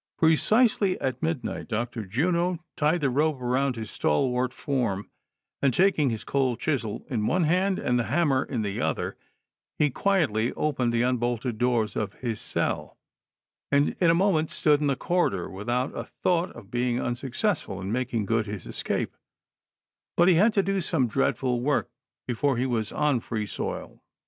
Precisely at midnight Dr. Juno tied the rope around his stalwart form, and taking his cold chisel in one hand and the ham mer in the other, he quietly opened the unbolted doors of his cell, and in a moment stood in the corridor without a thought of being unsuccessful in making good his escape ; but, he had to do some dreadful work before he Avas on free soil.